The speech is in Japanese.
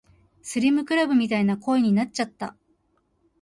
スリムクラブみたいな声になっちゃった